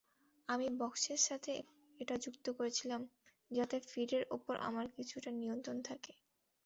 আমি বক্সের সাথে এটা যুক্ত করেছিলাম যাতে ফিডের ওপর আমার কিছুটা নিয়ন্ত্রণ থাকে।